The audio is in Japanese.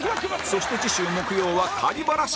そして次週木曜はバラシ芸人